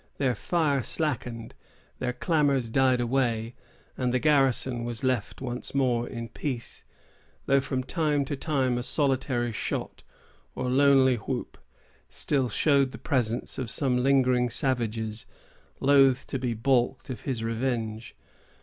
Their fire slackened, their clamors died away, and the garrison was left once more in peace, though from time to time a solitary shot, or lonely whoop, still showed the presence of some lingering savage, loath to be balked of his revenge.